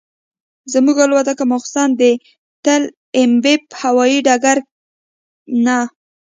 زموږ الوتکه ماسخوتن د تل ابیب هوایي ډګر نه.